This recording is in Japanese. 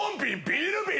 ビール瓶！？